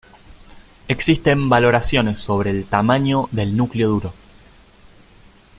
Existen valoraciones sobre el tamaño del "núcleo duro".